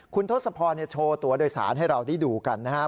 คุณทศพรโชว์ตัวโดยสารให้เราได้ดูกันนะครับ